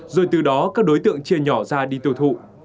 rồi từ đó các đối tượng chia nhỏ ra đi tiêu thụ